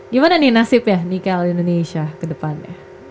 gimana nih nasib ya nikel indonesia ke depannya